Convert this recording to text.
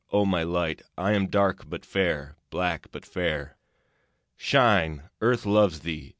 O my light, I am dark but fair, Black but fair. Shine, Earth loves thee!